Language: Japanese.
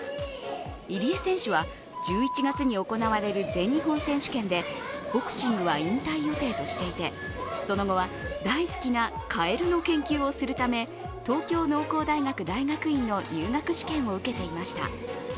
入江選手は１１月に行われる全日本選手権でボクシングは引退予定としていてその後は大好きなカエルの研究をするため東京農工大学大学院の入学試験を受けていました。